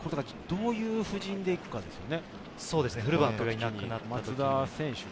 どういう布陣でいくかですね。